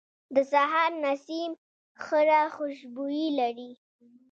د سهار نسیم خړه خوشبويي لري